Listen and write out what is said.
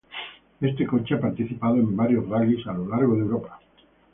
Este coche ha participado en varios rallyes a lo largo de Europa.